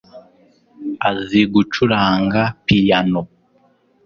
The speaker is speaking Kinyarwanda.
azi gucuranga piyano